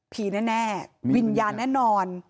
แน่วิญญาณแน่นอน